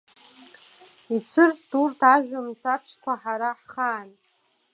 Ицәырҵт урҭ ажәа мцаԥшьқәа ҳара ҳхаан.